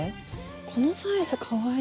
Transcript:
このサイズかわいい。